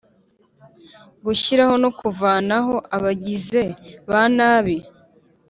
gushyiraho no kuvanaho abagize ba nabi